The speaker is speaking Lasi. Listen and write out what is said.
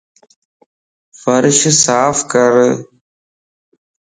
فرش صاف ڪر